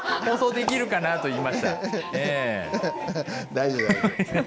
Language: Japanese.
大丈夫大丈夫。